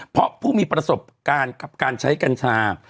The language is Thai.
เพราะผู้มีประสบการณ์กับการใช้กัญชา